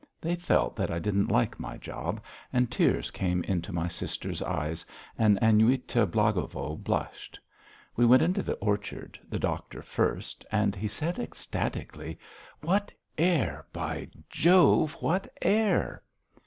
They felt that I didn't like my job, and tears came into my sister's eyes and Aniuta Blagovo blushed. We went into the orchard, the doctor first, and he said ecstatically: "What air! By Jove, what air!"